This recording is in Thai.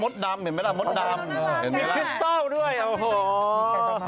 แต่ไม่ได้นะฮะ